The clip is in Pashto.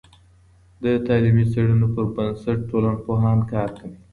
د تعلیمي څیړنو پر بنسټ ټولنپوهان کار کوي.